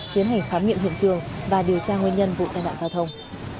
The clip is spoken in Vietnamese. tiến hành khám nghiệm hiện trường và điều tra nguyên nhân vụ tai nạn giao thông